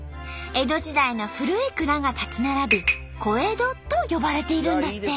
江戸時代の古い蔵が立ち並び「小江戸」と呼ばれているんだって。